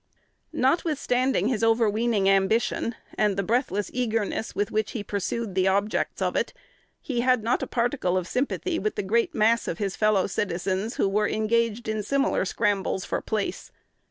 Notwithstanding his overweening ambition, and the breathless eagerness with which he pursued the objects of it, he had not a particle of sympathy with the great mass of his fellow citizens who were engaged in similar scrambles for place.